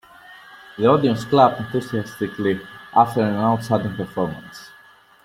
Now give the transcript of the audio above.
The audience clapped enthusiastically after an outstanding performance.